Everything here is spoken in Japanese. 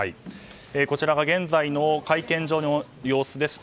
こちらは現在の会見場の様子です。